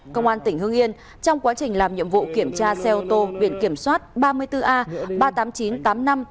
công an tỉnh hương yên trong quá trình làm nhiệm vụ kiểm tra xe ô tô biển kiểm soát ba mươi bốn a ba mươi tám nghìn chín trăm tám mươi năm